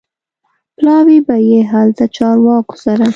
پلاوی به یې هلته چارواکو سره